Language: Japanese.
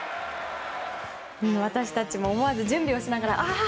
私たちも思わず準備をしながら、あー！